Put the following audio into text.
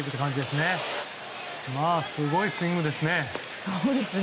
すごいスイングですね。